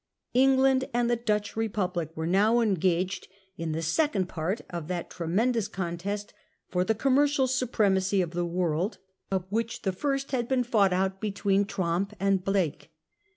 England and the Dutch Republic were now engaged in the second part of that tremendous contest for the commercial supremacy of the world, of which the first had been fought out between Tromp and Blake.